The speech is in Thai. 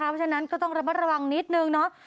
เพราะฉะนั้นก็ต้องระมัดระวังนิดนึงเนาะ